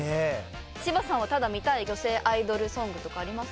芝さんはただ見たい女性アイドルソングとかありますか？